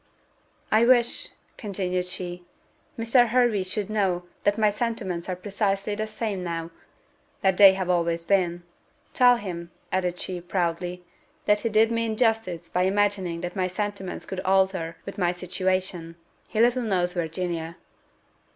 "I wish," continued she, "Mr. Hervey should know that my sentiments are precisely the same now that they have always been. Tell him," added she, proudly, "that he did me injustice by imagining that my sentiments could alter with my situation. He little knows Virginia."